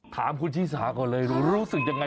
ถามคุณชิสาก่อนเลยรู้สึกยังไง